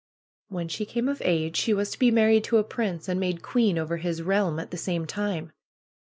^^When she came of age she was to be married to a prince and made queen over his realm at the same time."